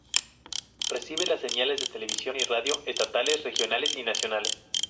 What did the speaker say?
Recibe las señales de televisión y radio estatales, regionales y nacionales.